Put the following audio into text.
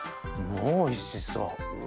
もうおいしそう。